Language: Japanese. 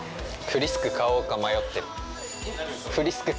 フリスク買おうか迷ってる。